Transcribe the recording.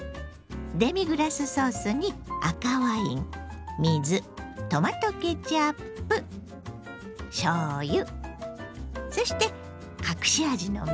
デミグラスソースに赤ワイン水トマトケチャップしょうゆそして隠し味のみそ。